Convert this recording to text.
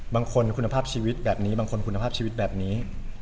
บางคนคุณภาพชีวิตแบบนี้บางคนคุณภาพชีวิตแบบนี้